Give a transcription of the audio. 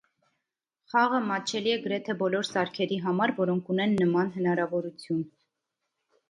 Խաղը մատչելի է գրեթե բոլոր սարքերի համար, որոնք ունեն նման հնարավորություն։